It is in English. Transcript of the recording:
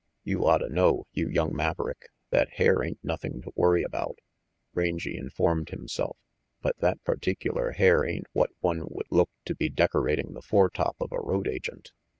"You otta know, you young maverick, that hair ain't nothing to worry about," Rangy informed him self, "but that particular hair ain't what one would look to be decorating the foretop of a road agent."